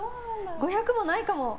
５００もないかも。